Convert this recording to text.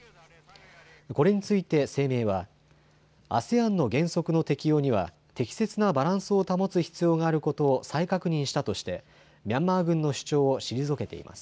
これについて声明はＡＳＥＡＮの原則の適用には適切なバランスを保つ必要があることを再確認したとしてミャンマー軍の主張を退けています。